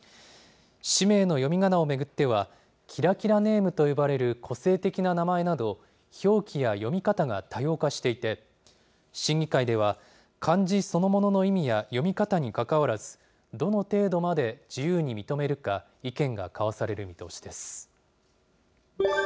氏名の読みがなを巡っては、キラキラネームと呼ばれる個性的な名前など、表記や読み方が多様化していて、審議会では、漢字そのものの意味や読み方にかかわらず、どの程度まで自由に認めるか、意見が交わされる見通しです。